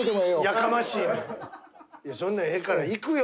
いやそんなんええから行くよ。